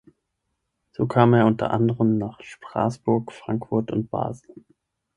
So kam er unter anderem nach Straßburg, Frankfurt und Basel.